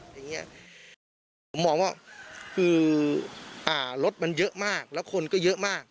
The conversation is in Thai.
อย่างนี้ผมมองว่าคือรถมันเยอะมากแล้วคนก็เยอะมาก